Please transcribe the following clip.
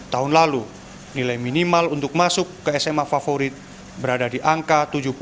tahun lalu nilai minimal untuk masuk ke sma favorit berada di angka tujuh puluh